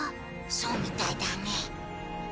そうみたいだね。